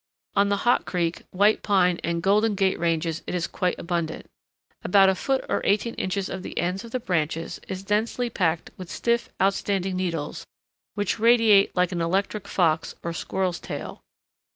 On the Hot Creek, White Pine, and Golden Gate ranges it is quite abundant. About a foot or eighteen inches of the ends of the branches is densely packed with stiff outstanding needles which radiate like an electric fox or squirrel's tail.